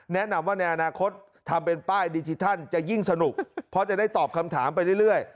แนะนำว่าในอนาคตทำเป็นป้ายดิจิทัลจะยิ่งสนุกเพราะจะได้ตอบคำถามไปเรื่อย